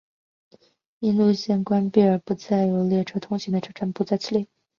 因线路关闭而不再有列车通行的车站不在此列。